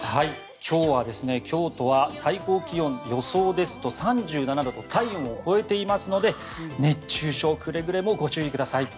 今日は京都は最高気温予想ですと３７度と体温を超えていますので熱中症くれぐれもご注意ください。